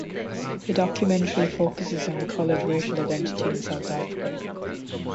The documentary focuses on the coloured racial identity in South Africa.